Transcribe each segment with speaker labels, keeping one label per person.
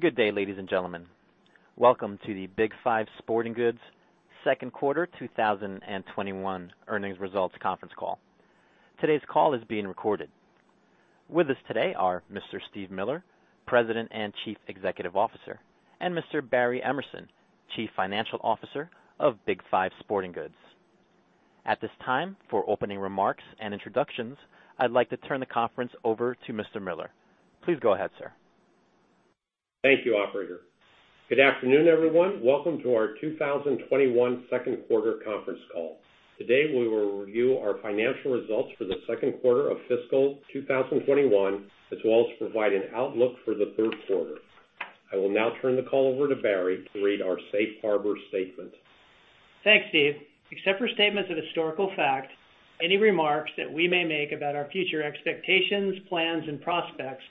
Speaker 1: Good day, ladies and gentlemen. Welcome to the Big 5 Sporting Goods second quarter 2021 earnings results conference call. Today's call is being recorded. With us today are Mr. Steve Miller, President and Chief Executive Officer, and Mr. Barry Emerson, Chief Financial Officer of Big 5 Sporting Goods. At this time, for opening remarks and introductions, I'd like to turn the conference over to Mr. Miller. Please go ahead, sir.
Speaker 2: Thank you, operator. Good afternoon, everyone. Welcome to our 2021 second quarter conference call. Today, we will review our financial results for the second quarter of fiscal 2021, as well as provide an outlook for the third quarter. I will now turn the call over to Barry to read our safe harbor statement.
Speaker 3: Thanks, Steve. Except for statements of historical fact, any remarks that we may make about our future expectations, plans and prospects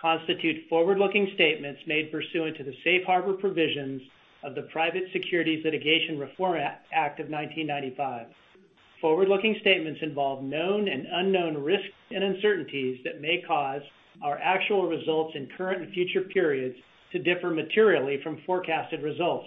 Speaker 3: constitute forward-looking statements made pursuant to the safe harbor provisions of the Private Securities Litigation Reform Act of 1995. Forward-looking statements involve known and unknown risks and uncertainties that may cause our actual results in current and future periods to differ materially from forecasted results.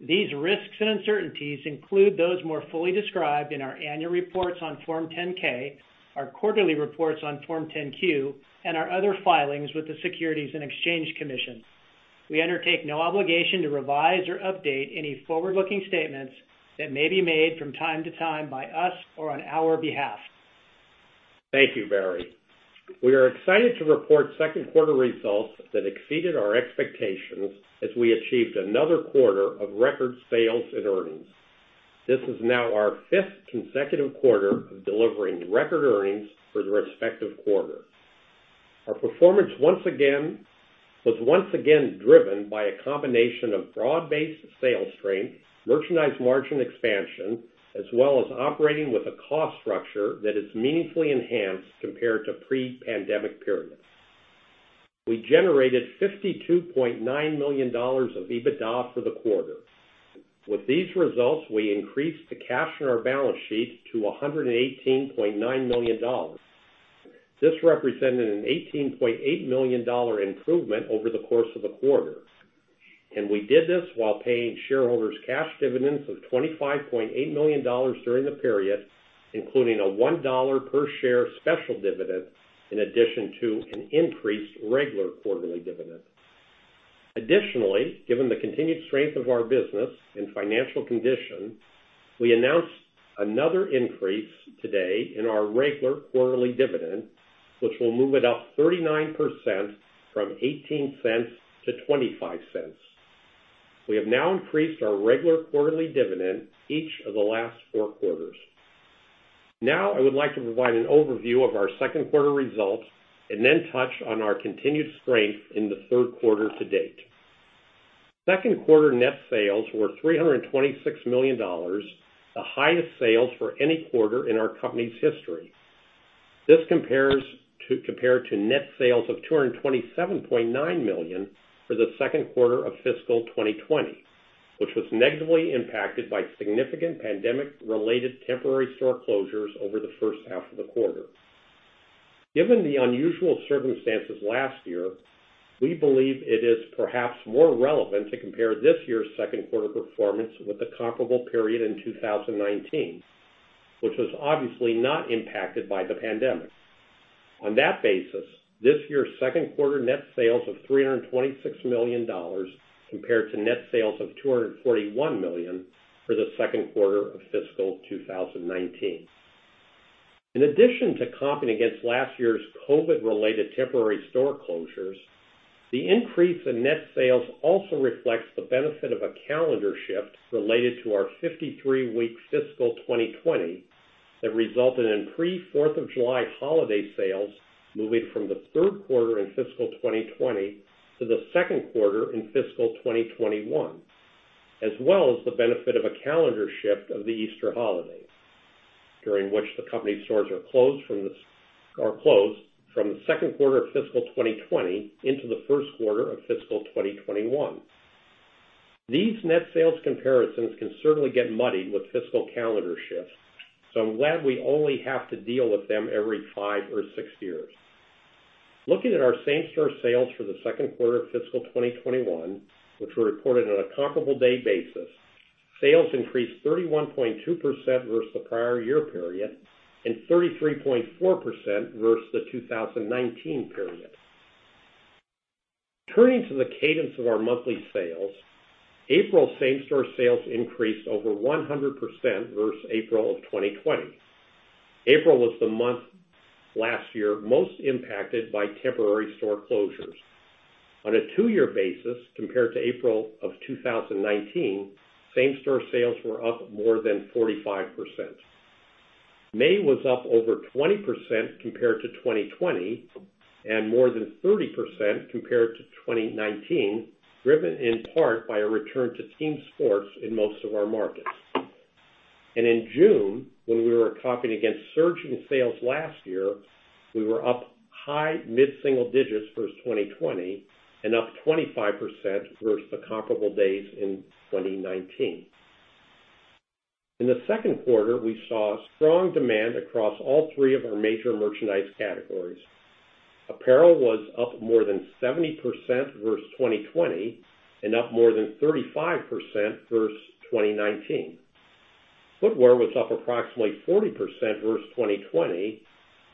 Speaker 3: These risks and uncertainties include those more fully described in our annual reports on Form 10-K, our quarterly reports on Form 10-Q, and our other filings with the Securities and Exchange Commission. We undertake no obligation to revise or update any forward-looking statements that may be made from time to time by us or on our behalf.
Speaker 2: Thank you, Barry. We are excited to report second quarter results that exceeded our expectations as we achieved another quarter of record sales and earnings. This is now our fifth consecutive quarter of delivering record earnings for the respective quarter. Our performance was once again driven by a combination of broad-based sales strength, merchandise margin expansion, as well as operating with a cost structure that is meaningfully enhanced compared to pre-pandemic periods. We generated $52.9 million of EBITDA for the quarter. With these results, we increased the cash in our balance sheet to $118.9 million. This represented an $18.8 million improvement over the course of the quarter, and we did this while paying shareholders cash dividends of $25.8 million during the period, including a $1 per share special dividend in addition to an increased regular quarterly dividend. Additionally, given the continued strength of our business and financial condition, we announced another increase today in our regular quarterly dividend, which will move it up 39% from $0.18 to $0.25. We have now increased our regular quarterly dividend each of the last four quarters. I would like to provide an overview of our second quarter results and then touch on our continued strength in the third quarter to date. Second quarter net sales were $326 million, the highest sales for any quarter in our company's history. This compared to net sales of $227.9 million for the second quarter of fiscal 2020, which was negatively impacted by significant pandemic related temporary store closures over the first half of the quarter. Given the unusual circumstances last year, we believe it is perhaps more relevant to compare this year's second quarter performance with the comparable period in 2019, which was obviously not impacted by the pandemic. On that basis, this year's second quarter net sales of $326 million compared to net sales of $241 million for the second quarter of fiscal 2019. In addition to competing against last year's COVID related temporary store closures, the increase in net sales also reflects the benefit of a calendar shift related to our 53-week fiscal 2020 that resulted in pre-4th of July holiday sales moving from the third quarter in fiscal 2020 to the second quarter in fiscal 2021, as well as the benefit of a calendar shift of the Easter holiday, during which the company stores are closed from the second quarter of fiscal 2020 into the first quarter of fiscal 2021. These net sales comparisons can certainly get muddied with fiscal calendar shifts, so I'm glad we only have to deal with them every five or six years. Looking at our same store sales for the second quarter of fiscal 2021, which were reported on a comparable day basis, sales increased 31.2% versus the prior year period and 33.4% versus the 2019 period. Turning to the cadence of our monthly sales, April same store sales increased over 100% versus April of 2020. April was the month last year most impacted by temporary store closures. On a two year basis, compared to April of 2019, same store sales were up more than 45%. May was up over 20% compared to 2020 and more than 30% compared to 2019, driven in part by a return to team sports in most of our markets. In June, when we were competing against surging sales last year, we were up high mid-single digits versus 2020 and up 25% versus the comparable days in 2019. In the second quarter, we saw strong demand across all three of our major merchandise categories. Apparel was up more than 70% versus 2020 and up more than 35% versus 2019. Footwear was up approximately 40% versus 2020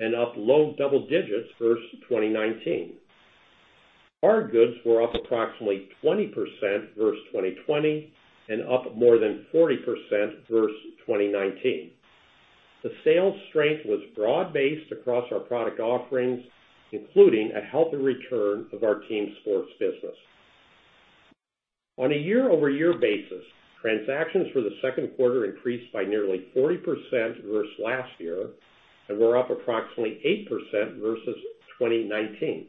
Speaker 2: and up low double digits versus 2019. Hardgoods were up approximately 20% versus 2020 and up more than 40% versus 2019. The sales strength was broad-based across our product offerings, including a healthy return of our team sports business. On a year-over-year basis, transactions for the second quarter increased by nearly 40% versus last year and were up approximately 8% versus 2019.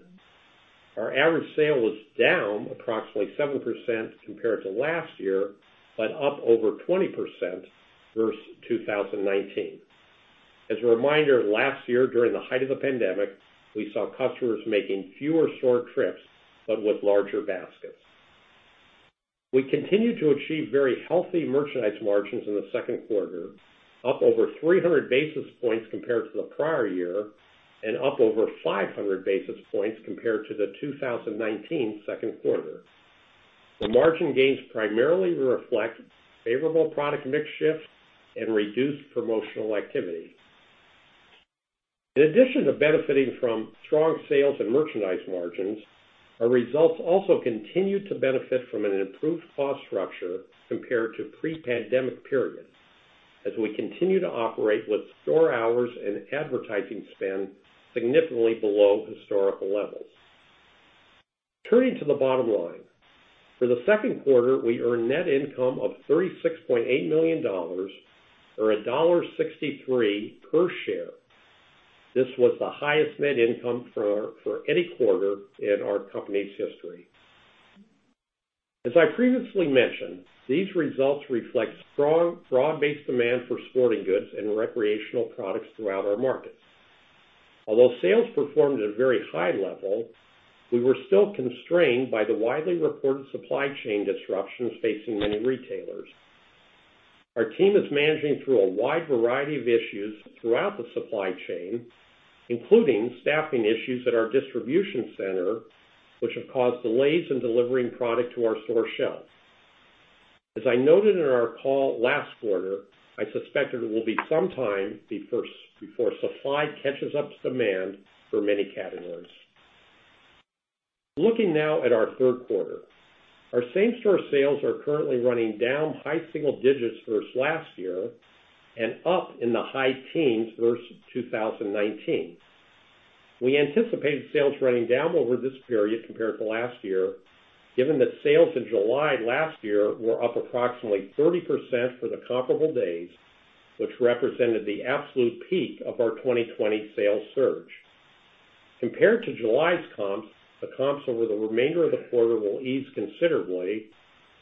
Speaker 2: Our average sale was down approximately 7% compared to last year, but up over 20% versus 2019. As a reminder, last year, during the height of the pandemic, we saw customers making fewer store trips but with larger baskets. We continued to achieve very healthy merchandise margins in the second quarter, up over 300 basis points compared to the prior year and up over 500 basis points compared to the 2019 second quarter. The margin gains primarily reflect favorable product mix shifts and reduced promotional activity. In addition to benefiting from strong sales and merchandise margins, our results also continued to benefit from an improved cost structure compared to pre-pandemic periods as we continue to operate with store hours and advertising spend significantly below historical levels. Turning to the bottom line. For the second quarter, we earned net income of $36.8 million, or $1.63 per share. This was the highest net income for any quarter in our company's history. As I previously mentioned, these results reflect strong broad-based demand for sporting goods and recreational products throughout our markets. Although sales performed at a very high level, we were still constrained by the widely reported supply chain disruptions facing many retailers. Our team is managing through a wide variety of issues throughout the supply chain, including staffing issues at our distribution center, which have caused delays in delivering product to our store shelves. As I noted in our call last quarter, I suspected it will be sometime before supply catches up to demand for many categories. Looking now at our third quarter. Our same-store sales are currently running down high single digits versus last year and up in the high teens versus 2019. We anticipated sales running down over this period compared to last year, given that sales in July last year were up approximately 30% for the comparable days, which represented the absolute peak of our 2020 sales surge. Compared to July's comps, the comps over the remainder of the quarter will ease considerably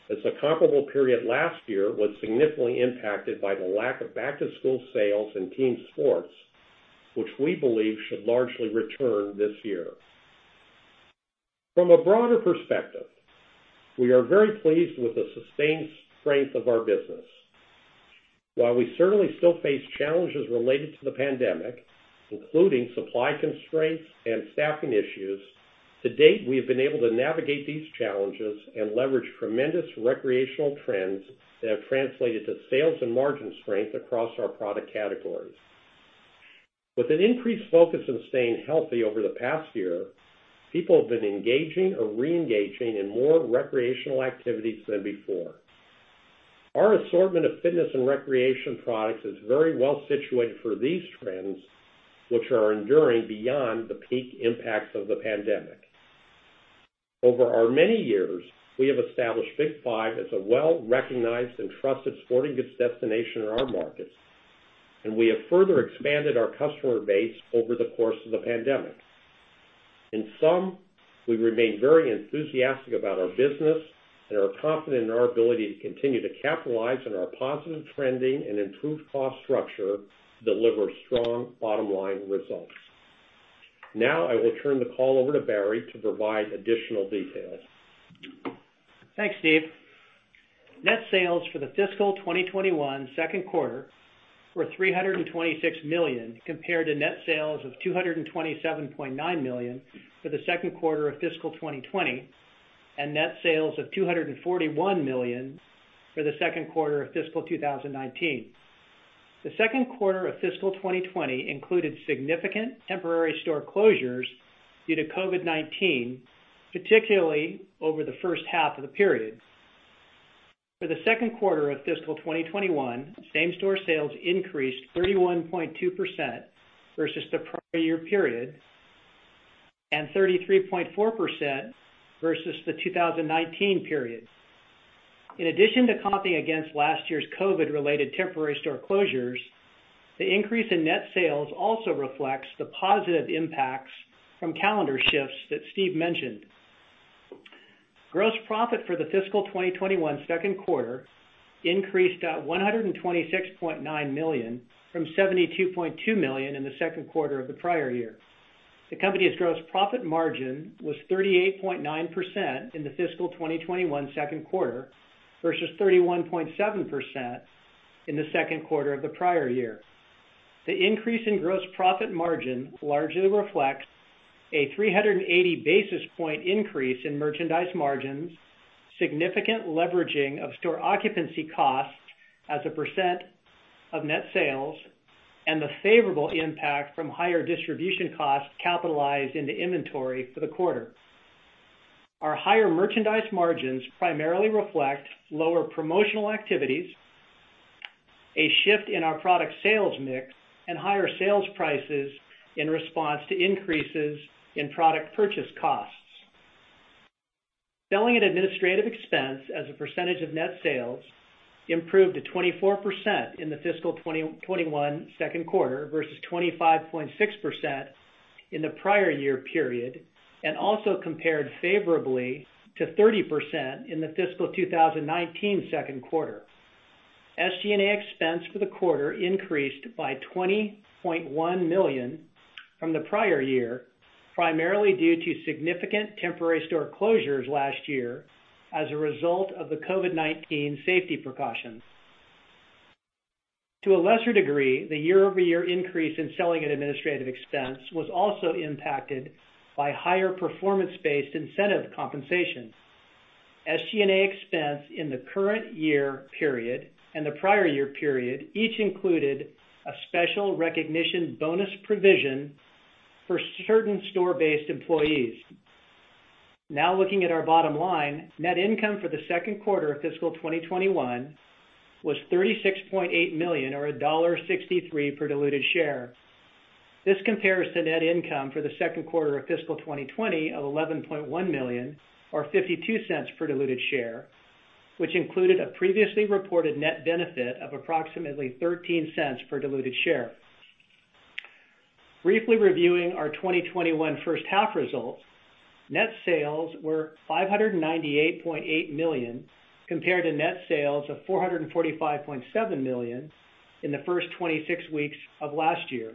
Speaker 2: as the comparable period last year was significantly impacted by the lack of back-to-school sales and team sports, which we believe should largely return this year. From a broader perspective, we are very pleased with the sustained strength of our business. While we certainly still face challenges related to the pandemic, including supply constraints and staffing issues, to date, we have been able to navigate these challenges and leverage tremendous recreational trends that have translated to sales and margin strength across our product categories. With an increased focus on staying healthy over the past year, people have been engaging or re-engaging in more recreational activities than before. Our assortment of fitness and recreation products is very well situated for these trends, which are enduring beyond the peak impacts of the pandemic. Over our many years, we have established Big 5 as a well-recognized and trusted sporting goods destination in our markets, and we have further expanded our customer base over the course of the pandemic. In sum, we remain very enthusiastic about our business and are confident in our ability to continue to capitalize on our positive trending and improved cost structure to deliver strong bottom-line results. Now, I will turn the call over to Barry to provide additional details.
Speaker 3: Thanks, Steve. Net sales for the fiscal 2021 second quarter were $326 million compared to net sales of $227.9 million for the second quarter of fiscal 2020 and net sales of $241 million for the second quarter of fiscal 2019. The second quarter of fiscal 2020 included significant temporary store closures due to COVID-19, particularly over the first half of the period. For the second quarter of fiscal 2021, same-store sales increased 31.2% versus the prior year period and 33.4% versus the 2019 period. In addition to comping against last year's COVID related temporary store closures, the increase in net sales also reflects the positive impacts from calendar shifts that Steve mentioned. Gross profit for the fiscal 2021 second quarter increased $126.9 million from $72.2 million in the second quarter of the prior year. The company's gross profit margin was 38.9% in the fiscal 2021 second quarter versus 31.7% in the second quarter of the prior year. The increase in gross profit margin largely reflects a 380 basis point increase in merchandise margins, significant leveraging of store occupancy costs as a % of net sales, and the favorable impact from higher distribution costs capitalized into inventory for the quarter. Our higher merchandise margins primarily reflect lower promotional activities, a shift in our product sales mix, and higher sales prices in response to increases in product purchase costs. Selling and administrative expense as a percentage of net sales improved to 24% in the fiscal 2021 second quarter versus 25.6% in the prior year period, and also compared favorably to 30% in the fiscal 2019 second quarter. SG&A expense for the quarter increased by $20.1 million from the prior year, primarily due to significant temporary store closures last year as a result of the COVID-19 safety precautions. To a lesser degree, the year-over-year increase in selling and administrative expense was also impacted by higher performance-based incentive compensation. SG&A expense in the current year period and the prior year period each included a special recognition bonus provision for certain store-based employees. Looking at our bottom line, net income for the second quarter of fiscal 2021 was $36.8 million, or $1.63 per diluted share. This compares to net income for the second quarter of fiscal 2020 of $11.1 million, or $0.52 per diluted share, which included a previously reported net benefit of approximately $0.13 per diluted share. Briefly reviewing our 2021 first half results, net sales were $598.8 million, compared to net sales of $445.7 million in the 1st 26 weeks of last year.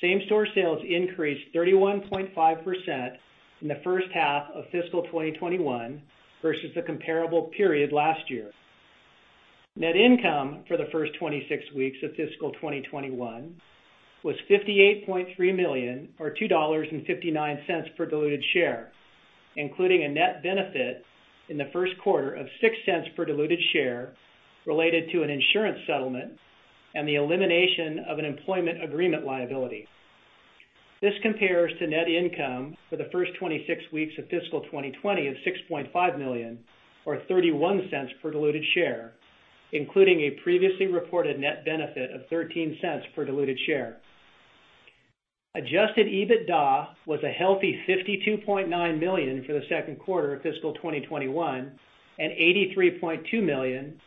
Speaker 3: Same-store sales increased 31.5% in the first half of fiscal 2021 versus the comparable period last year. Net income for the 1st 26 weeks of fiscal 2021 was $58.3 million, or $2.59 per diluted share, including a net benefit in the first quarter of $0.06 per diluted share related to an insurance settlement and the elimination of an employment agreement liability. This compares to net income for the first 26 weeks of fiscal 2020 of $6.5 million or $0.31 per diluted share, including a previously reported net benefit of $0.13 per diluted share. Adjusted EBITDA was a healthy $52.9 million for the second quarter of fiscal 2021 and $83.2 million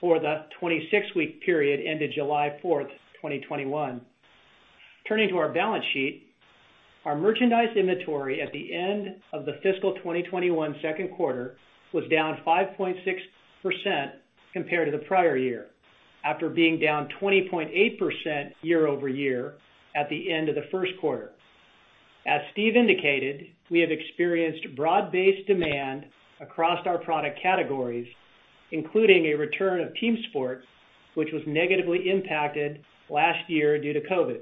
Speaker 3: for the 26-week period ended July 4th, 2021. Turning to our balance sheet, our merchandise inventory at the end of the fiscal 2021 second quarter was down 5.6% compared to the prior year, after being down 20.8% year-over-year at the end of the first quarter. As Steve indicated, we have experienced broad-based demand across our product categories, including a return of team sport, which was negatively impacted last year due to COVID.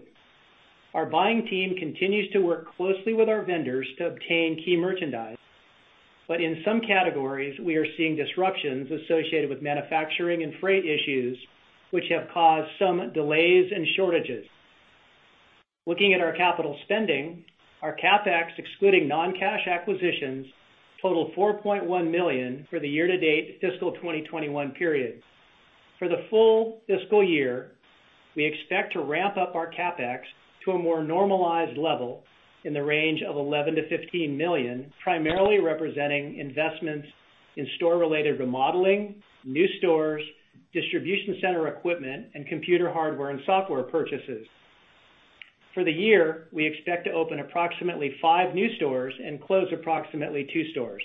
Speaker 3: Our buying team continues to work closely with our vendors to obtain key merchandise, but in some categories, we are seeing disruptions associated with manufacturing and freight issues, which have caused some delays and shortages. Looking at our capital spending, our CapEx, excluding non-cash acquisitions, totaled $4.1 million for the year-to-date fiscal 2021 period. For the full fiscal year, we expect to ramp up our CapEx to a more normalized level in the range of $11 million-$15 million, primarily representing investments in store-related remodeling, new stores, distribution center equipment, and computer hardware and software purchases. For the year, we expect to open approximately five new stores and close approximately two stores.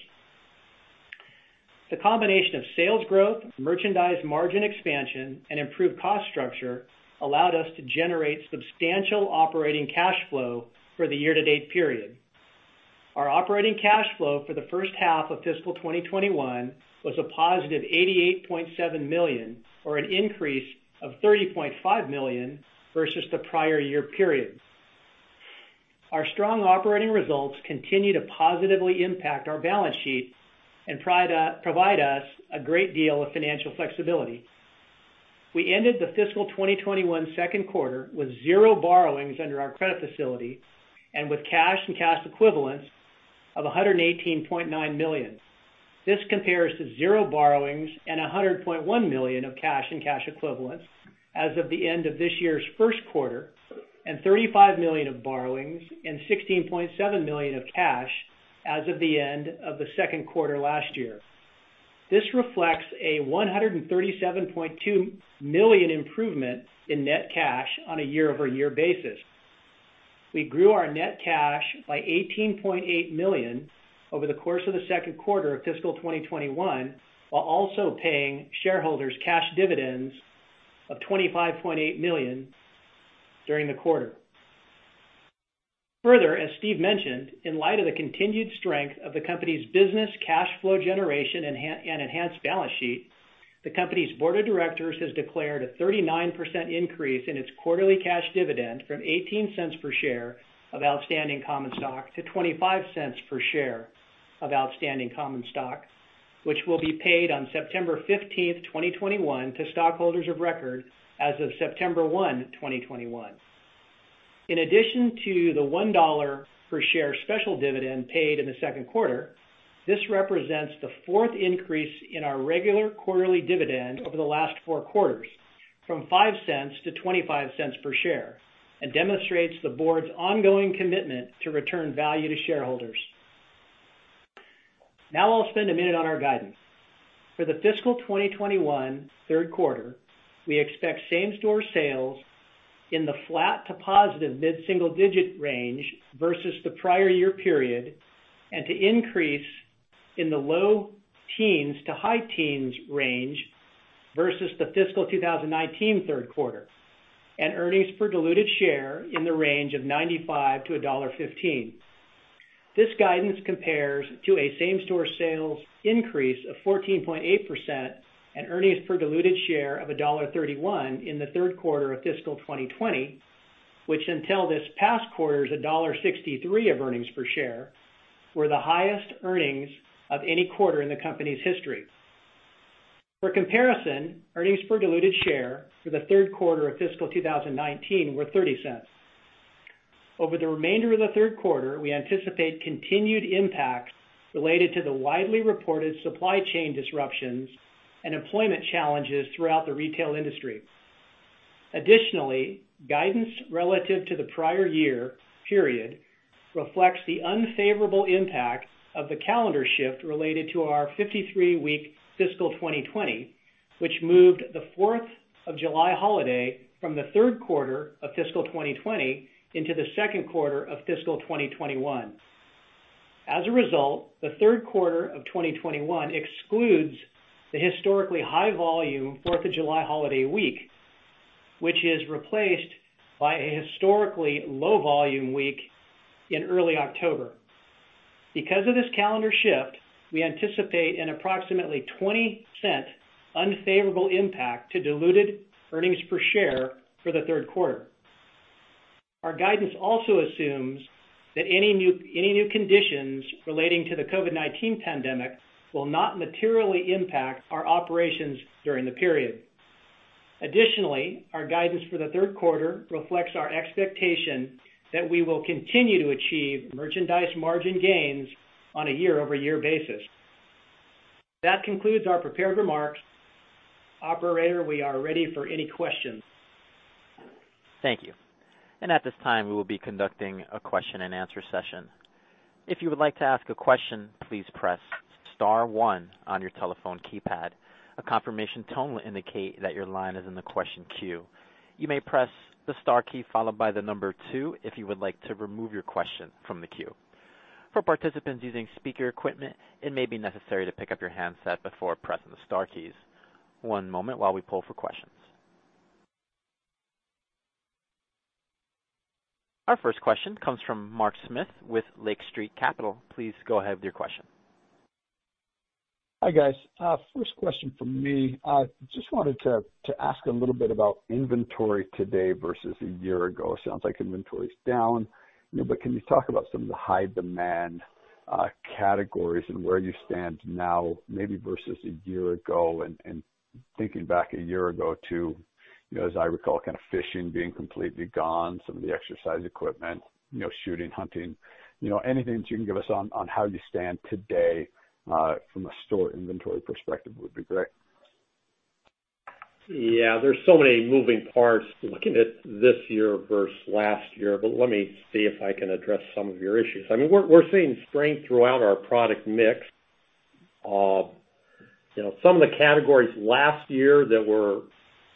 Speaker 3: The combination of sales growth, merchandise margin expansion, and improved cost structure allowed us to generate substantial operating cash flow for the year-to-date period. Our operating cash flow for the first half of fiscal 2021 was a positive $88.7 million, or an increase of $30.5 million versus the prior year period. Our strong operating results continue to positively impact our balance sheet and provide us a great deal of financial flexibility. We ended the fiscal 2021 second quarter with zero borrowings under our credit facility and with cash and cash equivalents of $118.9 million. This compares to zero borrowings and $100.1 million of cash and cash equivalents as of the end of this year's first quarter, and $35 million of borrowings and $16.7 million of cash as of the end of the second quarter last year. This reflects a $137.2 million improvement in net cash on a year-over-year basis. We grew our net cash by $18.8 million over the course of the second quarter of fiscal 2021, while also paying shareholders cash dividends of $25.8 million during the quarter. As Steve mentioned, in light of the continued strength of the company's business cash flow generation and enhanced balance sheet, the company's board of directors has declared a 39% increase in its quarterly cash dividend from $0.18 per share of outstanding common stock to $0.25 per share of outstanding common stock, which will be paid on September 15, 2021, to stockholders of record as of September 1, 2021. In addition to the $1 per share special dividend paid in the second quarter, this represents the fourth increase in our regular quarterly dividend over the last four quarters, from $0.05-$0.25 per share, and demonstrates the board's ongoing commitment to return value to shareholders. Now I'll spend a minute on our guidance. For the fiscal 2021 third quarter, we expect same-store sales in the flat to positive mid-single digit range versus the prior year period, and to increase in the low teens to high teens range versus the fiscal 2019 third quarter. Earnings per diluted share in the range of $0.95-$1.15. This guidance compares to a same-store sales increase of 14.8% and earnings per diluted share of $1.31 in the third quarter of fiscal 2020, which until this past quarter is $1.63 of earnings per share, were the highest earnings of any quarter in the company's history. For comparison, earnings per diluted share for the third quarter of fiscal 2019 were $0.30. Over the remainder of the third quarter, we anticipate continued impacts related to the widely reported supply chain disruptions and employment challenges throughout the retail industry. Additionally, guidance relative to the prior year period reflects the unfavorable impact of the calendar shift related to our 53 week fiscal 2020, which moved the 4th of July holiday from the third quarter of fiscal 2020 into the second quarter of fiscal 2021. As a result, the third quarter of 2021 excludes the historically high volume 4th of July holiday week, which is replaced by a historically low volume week in early October. Because of this calendar shift, we anticipate an approximately $0.20 unfavorable impact to diluted earnings per share for the third quarter. Our guidance also assumes that any new conditions relating to the COVID-19 pandemic will not materially impact our operations during the period. Additionally, our guidance for the third quarter reflects our expectation that we will continue to achieve merchandise margin gains on a year-over-year basis. That concludes our prepared remarks. Operator, we are ready for any questions.
Speaker 1: Thank you. At this time, we will be conducting a question and answer session. If you would like to ask a question, please press star one on your telephone keypad. A confirmation tone will indicate that your line is in the question queue. You may press the star key followed by the number two if you would like to remove your question from the queue. For participants using speaker equipment, it may be necessary to pick up your handset before pressing the star keys. One moment while we pull for questions. Our first question comes from Mark Smith with Lake Street Capital. Please go ahead with your question.
Speaker 4: Hi, guys. First question from me. Just wanted to ask a little bit about inventory today versus a year ago. Sounds like inventory is down. Can you talk about some of the high demand categories and where you stand now, maybe versus a year ago, and thinking back a year ago, too, as I recall, fishing being completely gone, some of the exercise equipment, shooting, hunting. Anything that you can give us on how you stand today from a store inventory perspective would be great.
Speaker 2: Yeah. There's so many moving parts looking at this year versus last year, but let me see if I can address some of your issues. We're seeing strength throughout our product mix. Some of the categories last year that were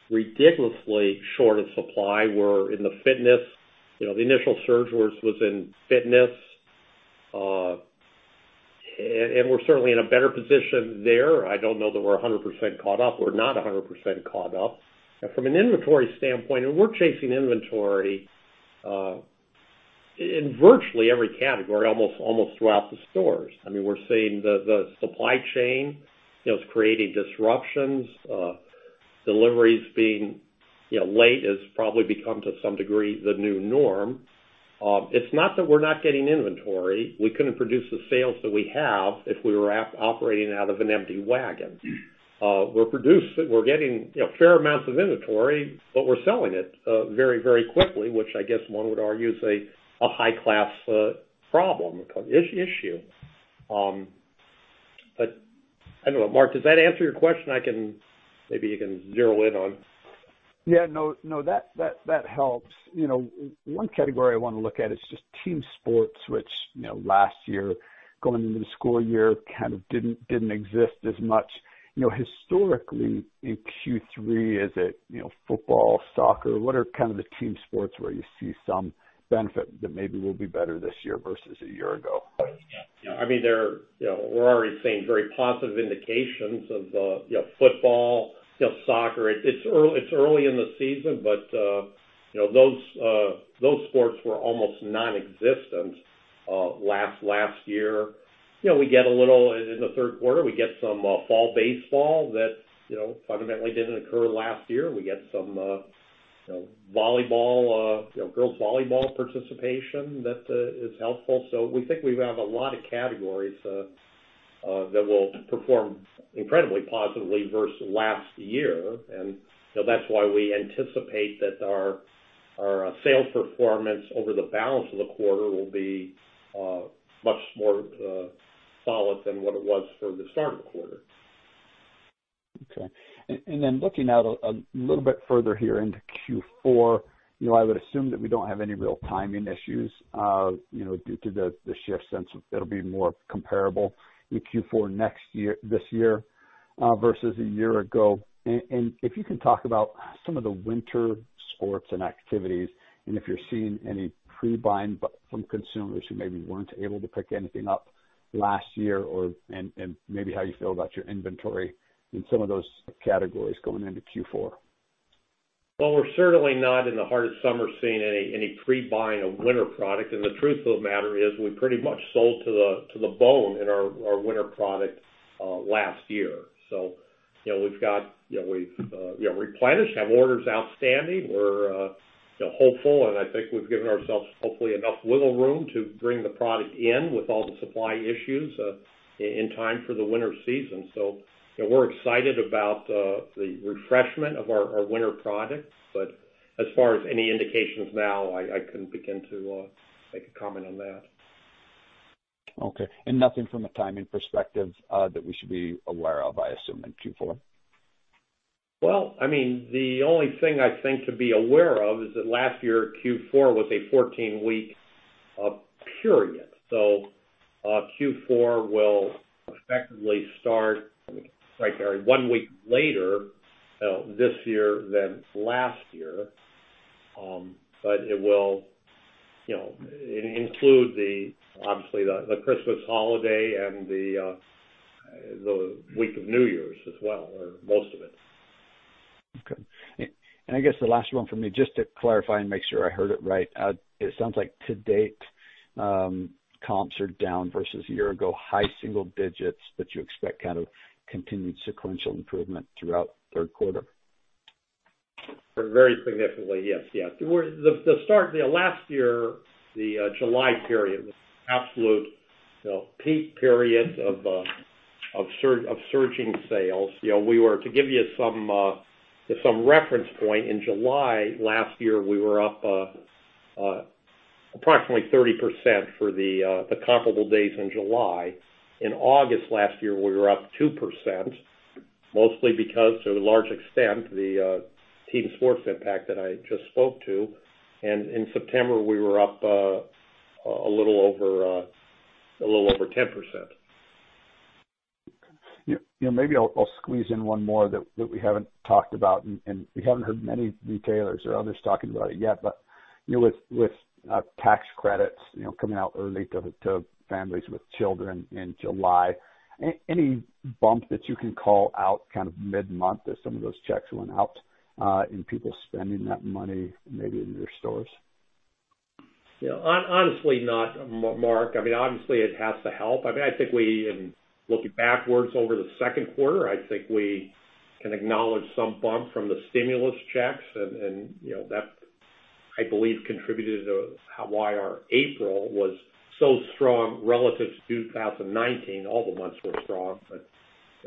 Speaker 2: ridiculously short of supply were in the fitness. The initial surge was in fitness. We're certainly in a better position there. I don't know that we're 100% caught up. We're not 100% caught up. From an inventory standpoint, and we're chasing inventory in virtually every category, almost throughout the stores. We're seeing the supply chain is creating disruptions, deliveries being late has probably become, to some degree, the new norm. It's not that we're not getting inventory. We couldn't produce the sales that we have if we were operating out of an empty wagon. We're getting fair amounts of inventory, but we're selling it very quickly, which I guess one would argue is a high-class problem, issue. I don't know, Mark, does that answer your question?
Speaker 4: Yeah. No, that helps. One category I want to look at is just team sports, which last year going into the school year kind of didn't exist as much. Historically in Q3, is it football, soccer? What are kind of the team sports where you see some benefit that maybe will be better this year versus a year ago?
Speaker 2: Yeah. We're already seeing very positive indications of football, soccer. It's early in the season, but those sports were almost non-existent last year. In the third quarter, we get some fall baseball that fundamentally didn't occur last year. We get some girls' volleyball participation that is helpful. We think we have a lot of categories that will perform incredibly positively versus last year. That's why we anticipate that our sales performance over the balance of the quarter will be much more solid than what it was for the start of the quarter.
Speaker 4: Okay. Looking out a little bit further here into Q4, I would assume that we don't have any real timing issues due to the sheer sense of it'll be more comparable in Q4 this year versus a year ago. If you can talk about some of the winter sports and activities, and if you're seeing any pre-buying from consumers who maybe weren't able to pick anything up last year, and maybe how you feel about your inventory in some of those categories going into Q4.
Speaker 2: We're certainly not in the heart of summer seeing any pre-buying of winter product. The truth of the matter is we pretty much sold to the bone in our winter product last year. We've replenished, have orders outstanding. We're hopeful, and I think we've given ourselves hopefully enough wiggle room to bring the product in with all the supply issues in time for the winter season. We're excited about the refreshment of our winter product. As far as any indications now, I couldn't begin to make a comment on that.
Speaker 4: Okay. Nothing from a timing perspective that we should be aware of, I assume, in Q4?
Speaker 2: The only thing I think to be aware of is that last year, Q4 was a 14-week period. Q4 will effectively start one week later this year than last year. It will include obviously the Christmas holiday and the week of New Year's as well, or most of it.
Speaker 4: Okay. I guess the last one for me, just to clarify and make sure I heard it right, it sounds like to date, comps are down versus a year ago, high single digits, but you expect kind of continued sequential improvement throughout third quarter.
Speaker 2: Very significantly, yes. Last year, the July period was the absolute peak period of surging sales. To give you some reference point, in July last year, we were up approximately 30% for the comparable days in July. In August last year, we were up 2%, mostly because to a large extent, the team sports impact that I just spoke to. In September, we were up a little over 10%.
Speaker 4: Okay. Maybe I'll squeeze in one more that we haven't talked about, and we haven't heard many retailers or others talking about it yet. With tax credits coming out early to families with children in July, any bump that you can call out kind of mid-month as some of those checks went out and people spending that money maybe in your stores?
Speaker 2: Honestly not, Mark. Obviously, it has to help. In looking backwards over the second quarter, I think we can acknowledge some bump from the stimulus checks, and that, I believe, contributed to why our April was so strong relative to 2019. All the months were strong, but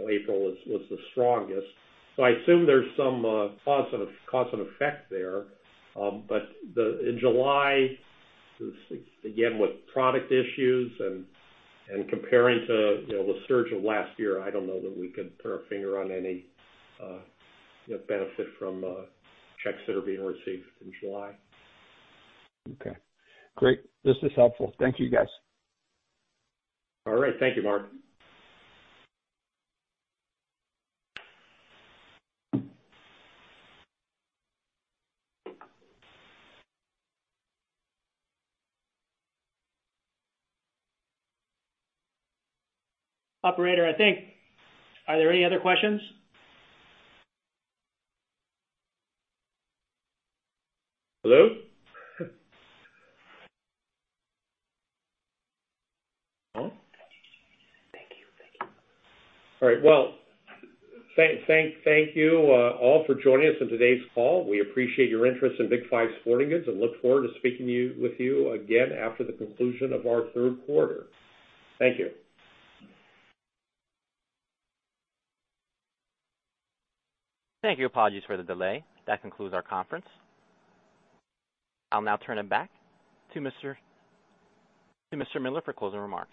Speaker 2: April was the strongest. I assume there's some cause and effect there. In July, again, with product issues and comparing to the surge of last year, I don't know that we could put our finger on any benefit from checks that are being received in July.
Speaker 4: Okay. Great. This is helpful. Thank you, guys.
Speaker 2: All right. Thank you, Mark. Operator, are there any other questions? Hello? No?
Speaker 1: Thank you.
Speaker 2: All right. Well, thank you all for joining us on today's call. We appreciate your interest in Big 5 Sporting Goods and look forward to speaking with you again after the conclusion of our third quarter. Thank you.
Speaker 1: Thank you. Apologies for the delay. That concludes our conference. I'll now turn it back to Mr. Miller for closing remarks.